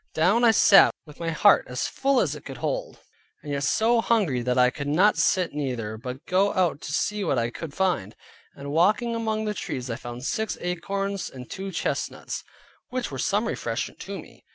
Down I sat, with my heart as full as it could hold, and yet so hungry that I could not sit neither; but going out to see what I could find, and walking among the trees, I found six acorns, and two chestnuts, which were some refreshment to me.